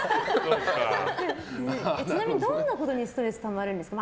ちなみにどんなことにストレスたまるんですか？